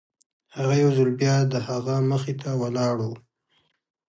هغه يو ځل بيا د هغه مخې ته ولاړ و.